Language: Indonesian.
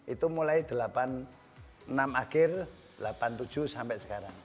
itu mulai delapan puluh enam akhir seribu delapan puluh tujuh sampai sekarang